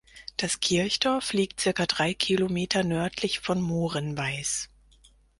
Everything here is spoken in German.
Das Kirchdorf liegt circa drei Kilometer nördlich von Moorenweis.